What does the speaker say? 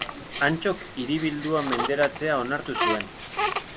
Antsok hiribildua menderatzea onartu zuen.